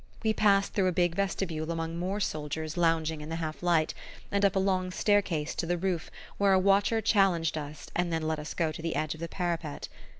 We passed through a big vestibule among more soldiers lounging in the half light, and up a long staircase to the roof where a watcher challenged us and then let us go to the edge of the parapet.